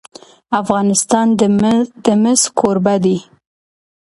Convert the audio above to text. افغانستان د مس کوربه دی.